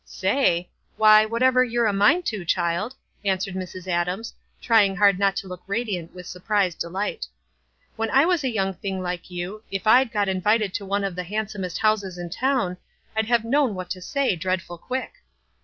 " Say ! Wh} T , whatever you're a mind to, child," answered Mrs. Adams, trying hard not to look radiant with surprised delight. "When I was a young thing like you, if I'd got invited to one of the handsomest houses in town, I'd have known what to say, dreadful quick."